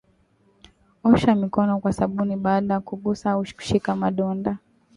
Osha mikono kwa sabuni baada ya kugusa au kushika madonda